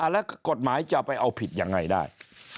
แล้วกฎหมายจะไปเอาผิดยังไงได้